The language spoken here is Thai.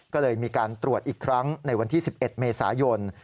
ก็เลยมีการตรวจอีกครั้งในวันที่๑๑เมษายน